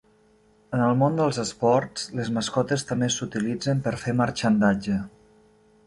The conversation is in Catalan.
En el món dels esports, les mascotes també s'utilitzen per fer marxandatge.